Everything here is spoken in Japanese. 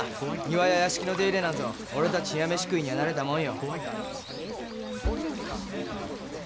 庭や屋敷の手入れなんぞ俺たち冷や飯食いには慣れたもんよ。